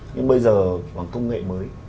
nhưng bây giờ bằng công nghệ mới